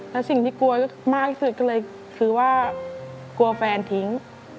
แล้วสิ่งที่กลัวมากที่สุดก็เลยคือว่ากลัวแฟนทิ้ง